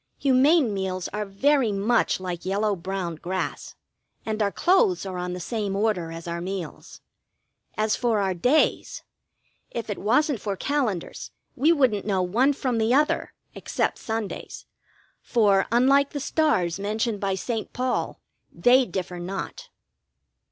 Humane meals are very much like yellow brown grass, and our clothes are on the same order as our meals. As for our days, if it wasn't for calendars we wouldn't know one from the other, except Sundays, for, unlike the stars mentioned by St. Paul, they differ not.